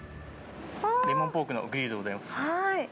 レモンポークのグリルでございます。